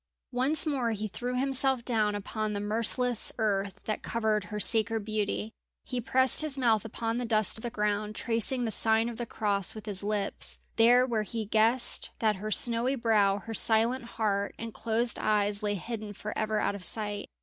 Once more he threw himself down upon the merciless earth that covered her sacred beauty. He pressed his mouth upon the dust of the ground, tracing the sign of the Cross with his lips, there where he guessed that her snowy brow, her silent heart, and closed eyes lay hidden for ever out of sight.